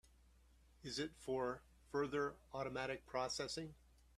Is it for further automatic processing?